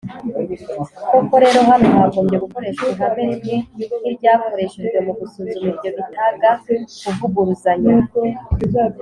Koko rero hano hagombye gukoreshwa ihame rimwe nk iryakoreshejwe mu gusuzuma ibyo bitaga kuvuguruzanya